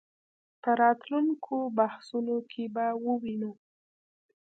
په راتلونکو بحثونو کې به ووینو.